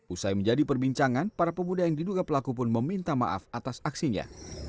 usai menjadi perbincangan para pemuda yang diduga pelaku pun meminta maaf atas aksinya